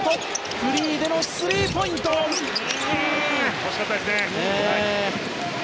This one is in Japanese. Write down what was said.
惜しかったですね。